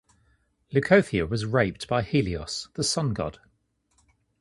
Leucothea was raped by Helios, the sun god.